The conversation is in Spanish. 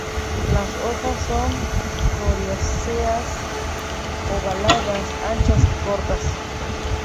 Las hojas son coriáceas, ovaladas, anchas y cortas.